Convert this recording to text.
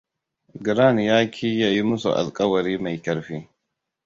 Grant yaki ya yi musu alkawari mai karfi.